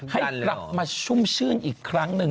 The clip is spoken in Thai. ให้กลับมาชุ่มชื่นอีกครั้งหนึ่ง